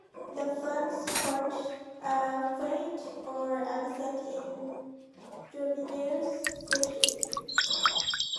The flank spots are faint or absent in juvenile fishes.